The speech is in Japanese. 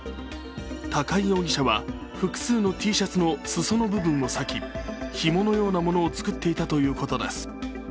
高井容疑者は複数のＴシャツの裾の部分を割き、ひものようなものを作っていたということです。